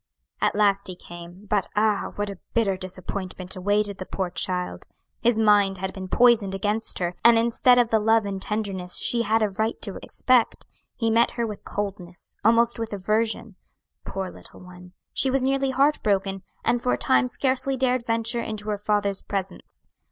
"At last he came; but ah, what a bitter disappointment awaited the poor child! His mind had been poisoned against her, and instead of the love and tenderness she had a right to expect, he met her with coldness almost with aversion. Poor little one! she was nearly heartbroken, and for a time scarcely dared venture into her father's presence.